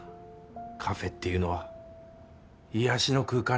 カフェっていうのは癒やしの空間なんだよ。